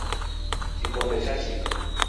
Kikombe chachika.